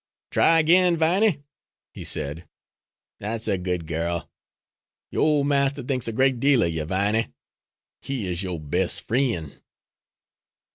"Try again, Viney," he said, "that's a good girl. Your old master thinks a great deal of you, Viney. He is your best friend!"